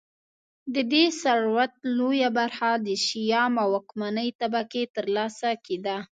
د دې ثروت لویه برخه د شیام او واکمنې طبقې ترلاسه کېده